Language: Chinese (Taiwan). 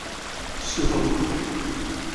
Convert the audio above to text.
事後準備